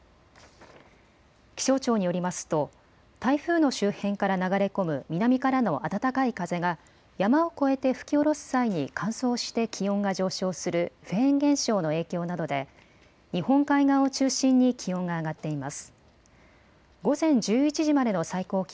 気象庁によりますと台風の周辺から流れ込む南からの暖かい風が山を越えて吹き降ろす際に乾燥して気温が上昇するフェーン現象の影響などで日本海側を中心に気温が上がっています。